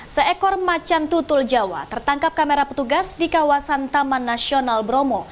seekor macan tutul jawa tertangkap kamera petugas di kawasan taman nasional bromo